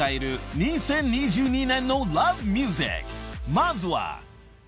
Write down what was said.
［まずは］